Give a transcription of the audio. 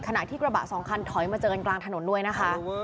ขณะที่กระบะสองคันถอยมาเจอกันกลางถนนด้วยนะคะ